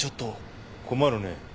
困るね。